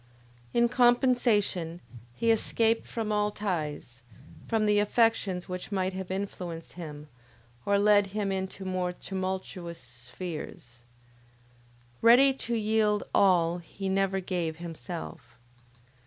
In compensation, he escaped from all ties; from the affections which might have influenced him, or led him into more tumultuous spheres. Ready to yield all, he never gave himself.